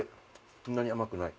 そんなに甘くない。